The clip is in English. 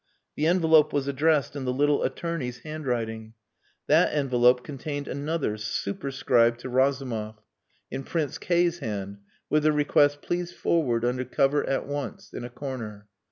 The envelope was addressed in the little attorney's handwriting. That envelope contained another, superscribed to Razumov, in Prince K 's hand, with the request "Please forward under cover at once" in a corner.